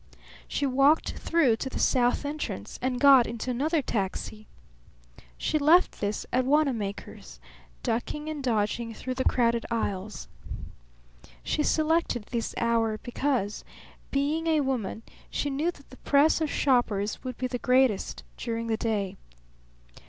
She walked through to the south entrance and got into another taxi. She left this at Wanamaker's, ducking and dodging through the crowded aisles. She selected this hour because, being a woman, she knew that the press of shoppers would be the greatest during the day.